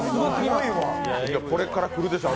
これから来るでしょう